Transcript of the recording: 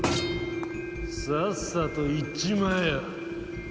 さっさと逝っちまえ。